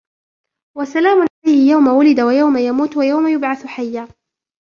وَسَلَامٌ عَلَيْهِ يَوْمَ وُلِدَ وَيَوْمَ يَمُوتُ وَيَوْمَ يُبْعَثُ حَيًّا